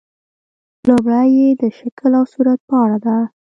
لومړۍ یې د شکل او صورت په اړه ده.